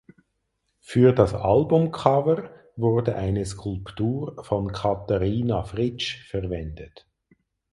Für das Albumcover wurde eine Skulptur von Katharina Fritsch verwendet.